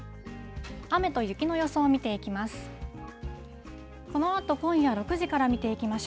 雨と雪の予想を見ていきます。